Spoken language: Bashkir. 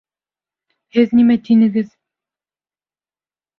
Һеҙ нимә тинегеҙ?